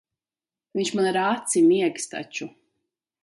Viņš man ar aci miegs taču.